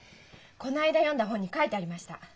この間読んだ本に書いてありました。